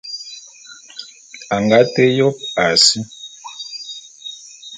A nga té yôp a si.